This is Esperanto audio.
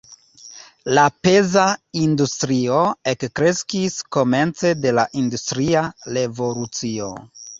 La peza industrio ekkreskis komence de la industria revolucio.